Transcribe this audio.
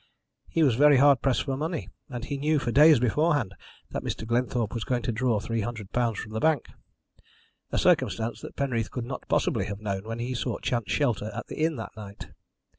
He was very hard pressed for money, and he knew for days beforehand that Mr. Glenthorpe was going to draw £300 from the bank a circumstance that Penreath could not possibly have known when he sought chance shelter at the inn that night.